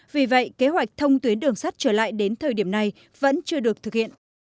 vì vậy kế hoạch thông tuyến đường sắt trở lại đến thời điểm này vẫn chưa được thực hiện